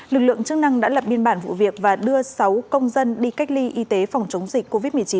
lực lượng chức năng đã lập biên bản vụ việc và đưa sáu công dân đi cách ly y tế phòng chống dịch covid một mươi chín